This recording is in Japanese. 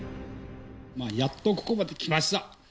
やっとここまで来ました。